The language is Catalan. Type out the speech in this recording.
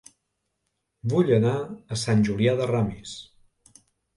Vull anar a Sant Julià de Ramis